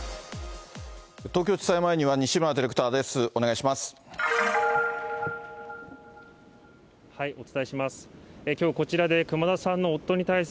東京地裁前には西村ディレクターです。